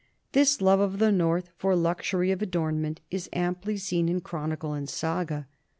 This love of the north for luxury of adornment is amply seen in chronicle and saga.